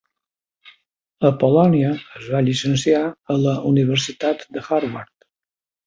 Apollonia es va llicenciar a la Universitat de Harvard.